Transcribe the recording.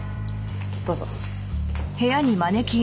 どうぞ。